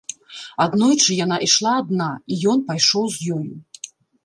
Аднойчы яна ішла адна, і ён пайшоў з ёю.